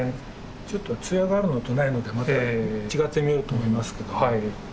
ちょっと艶があるのとないのでまた違って見えると思いますけど。